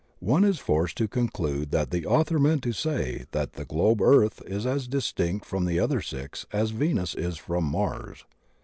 One is forced to conclude that the author meant to say that the globe Earth is as distinct from the other six as Venus is from Mars.